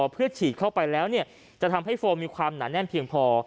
เพื่อฉีดเข้าไปแล้วจะทำให้โฟมมีความหนาแน่นเพียงพอ